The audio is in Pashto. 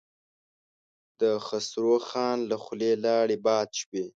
د خسرو خان له خولې لاړې باد شوې.